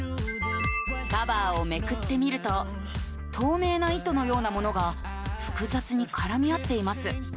カバーをめくってみると透明な糸のようなものが複雑に絡み合っています